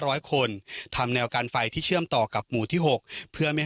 ร้อยคนทำแนวการไฟที่เชื่อมต่อกับหมู่ที่หกเพื่อไม่ให้